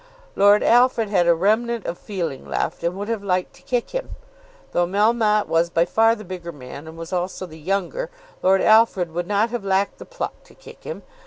Lord Alfred had a remnant of feeling left, and would have liked to kick him. Though Melmotte was by far the bigger man, and was also the younger, Lord Alfred would not have lacked the pluck to kick him.